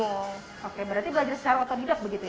oh oke berarti belajar secara otodidak begitu ya